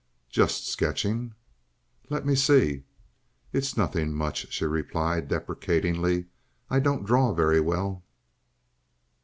"Just sketching." "Let me see?" "It's nothing much," she replied, deprecatingly. "I don't draw very well."